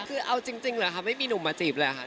คือเอาจริงหรือครับไม่มีหนุ่มมาจีบเลยหรือครับ